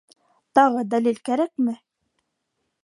Тағы дәлил кәрәкме?!